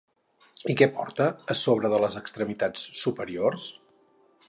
I què porta a sobre de les extremitats superiors?